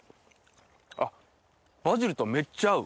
あっバジルとめっちゃ合う！